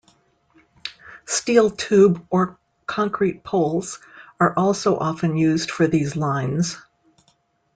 Steel tube or concrete poles are also often used for these lines.